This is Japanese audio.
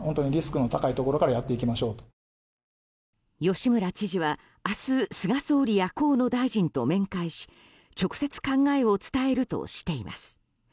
吉村知事は明日菅総理や河野大臣と面会し直接、考えを伝えるとしています。